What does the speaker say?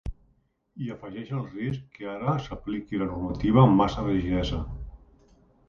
I afegeix el risc que ara s’apliqui la normativa amb massa rigidesa.